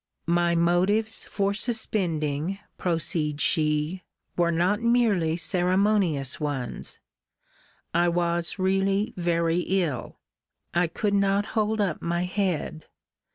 My motives for suspending, proceeds she, were not merely ceremonious ones. I was really very ill. I could not hold up my head.